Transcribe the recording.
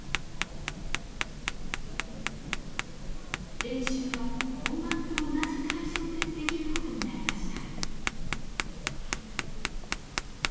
練習は本番と同じ会場でできることになりました。